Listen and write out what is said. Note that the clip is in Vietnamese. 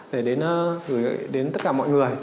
để gửi đến tất cả mọi người